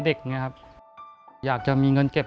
สวัสดีครับน้องเล่จากจังหวัดพิจิตรครับ